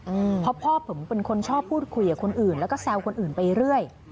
เพราะพ่อผมเป็นคนชอบพูดคุยกับคนอื่นแล้วก็แซวคนอื่นไปเรื่อย